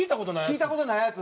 聞いた事ないやつ。